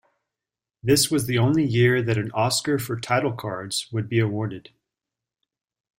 This was the only year that an Oscar for title cards would be awarded.